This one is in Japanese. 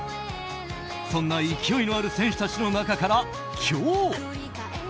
そんな勢いのある選手たちの中から今日。